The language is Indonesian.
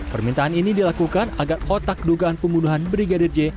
permintaan ini dilakukan agar otak dugaan pembunuhan brigadir j